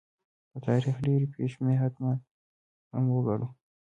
د تاریخ ډېرې پېښې حتمي هم وګڼو.